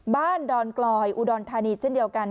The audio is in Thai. บ้านดอนกลอยอุดอลทานีทร์เช่นเดียวกัน